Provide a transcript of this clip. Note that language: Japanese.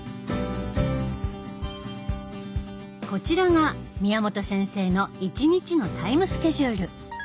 こちらが宮本先生の１日のタイムスケジュール。